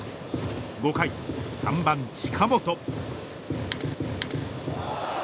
５回、３番、近本。